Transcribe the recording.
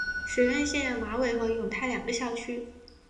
学院现有马尾和永泰两个校区。